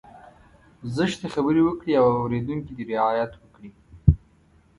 زشتې خبرې وکړي اورېدونکی دې رعايت وکړي.